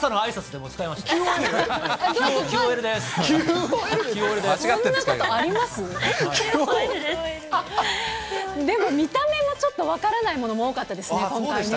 間違って使うこともそんなこでも見た目もちょっと分からないものも多かったですね、今回。